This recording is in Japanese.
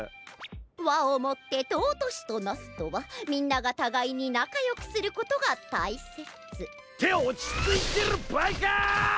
「和をもって貴しとなす」とはみんながたがいになかよくすることがたいせつ。っておちついてるばあいか！